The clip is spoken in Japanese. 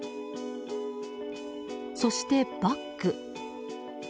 そして、バック。